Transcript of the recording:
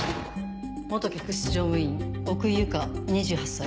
客室乗務員奥井由香２８歳。